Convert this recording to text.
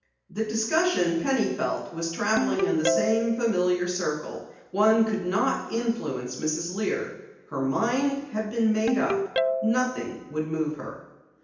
The discussion, Penny felt, was traveling in the same familiar circle. One could not influence Mrs. Lear. Her mind had been made up. Nothing would move her.